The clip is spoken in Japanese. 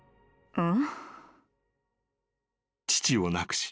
うん？